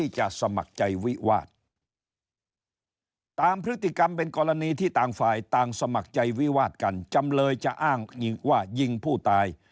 จำเลยก็จะยิงพูดยิ่มตาย